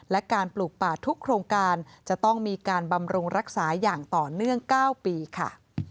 และการปลูกป่าทุกโครงการจะต้องมีการบำรุงรักษาอย่างต่อเนื่อง๙ปีค่ะ